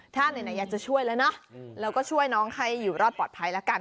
ถ้าไหนอยากจะช่วยแล้วเนอะแล้วก็ช่วยน้องให้อยู่รอดปลอดภัยแล้วกัน